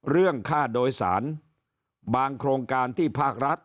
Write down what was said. เรื่องค่าโดยสารบางโครงการที่ภาครัฐ